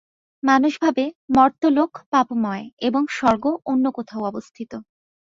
মানুষ ভাবে, মর্ত্যলোক পাপময় এবং স্বর্গ অন্য কোথাও অবস্থিত।